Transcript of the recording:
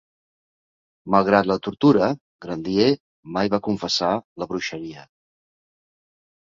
Malgrat la tortura, Grandier mai va confessar la bruixeria.